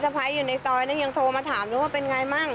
มีสมัยอยู่ในซ้อยนะยังโทรมาถามด้วยว่าเป็นไงบ้าง